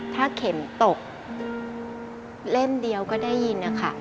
ถ้าเข็มตกเล่มเดียวก็ได้ยินนะคะ